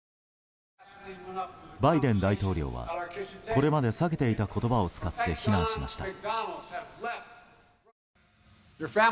バイデン大統領はこれまで避けていた言葉を使って非難しました。